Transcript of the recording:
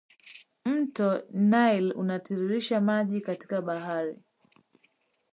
Mto nile unatiririsha maji katika bahari